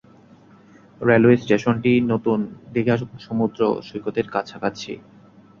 Railway স্টেশনটি নতুন দীঘা সমুদ্র সৈকতের কাছাকাছি।